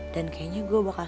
dan kayaknya gue bakal